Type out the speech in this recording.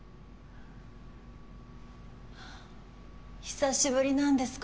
はぁ久しぶりなんです